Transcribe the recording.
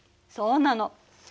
そうなの。